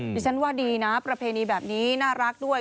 ดิฉันว่าดีนะประเพณีแบบนี้น่ารักด้วย